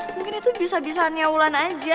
mungkin itu bisa bisanya mulan aja